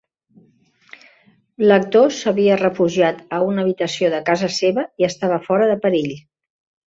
L'actor s'havia refugiat a una habitació de casa seva i estava fora de perill.